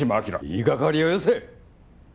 言いがかりはよせ！